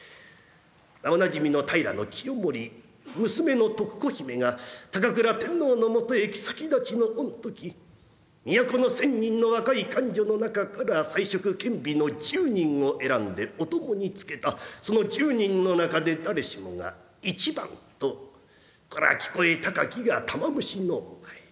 おなじみの平清盛娘の徳子姫が高倉天皇のもとへ后立ちの御時都の１，０００人の若い官女の中から才色兼備の１０人を選んでお供につけたその１０人の中で誰しもが一番とこれ聞こえ高きが玉虫の前。